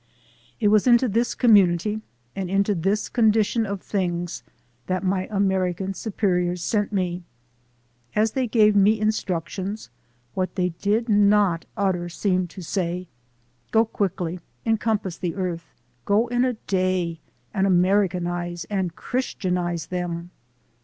It was into this community and into this condition of things that my American superiors sent me. As they gave me instructions, what they did not utter AN IMMIGRANT COMMUNITY 239 seemed to say: "Go quickly, encompass the earth, go in a day and 'Americanize' and 'Christianize' them."